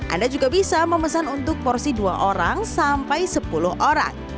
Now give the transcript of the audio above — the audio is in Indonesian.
anda juga bisa memesan untuk porsi dua orang sampai sepuluh orang